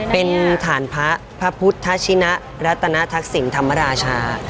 เป็นฐานพระพัพุทธชินะฤตนตรักษินทรรมราชา